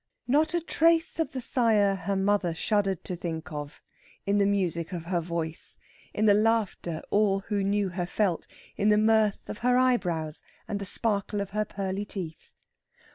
Not a trace of the sire her mother shuddered to think of in the music of her voice, in the laughter all who knew her felt in the mirth of her eyebrows and the sparkle of her pearly teeth.